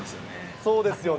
そうですよね。